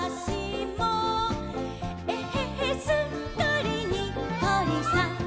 「えへへすっかりにっこりさん！」